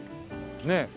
ねえ。